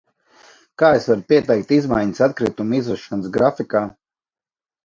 Kā es varu pieteikt izmaiņas atkritumu izvešanas grafikā?